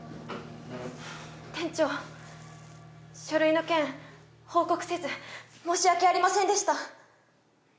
書類の件報告せず申し訳ありませんでした。